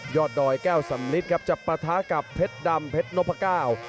ดอยแก้วสำลิดครับจะปะทะกับเพชรดำเพชรนพก้าว